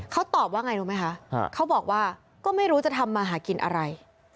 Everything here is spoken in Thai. เขาตอบว่าไงรู้ไหมคะเขาบอกว่าก็ไม่รู้จะทำมาหากินอะไร